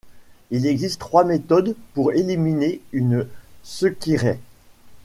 Il existe trois méthodes pour éliminer une Sekirei.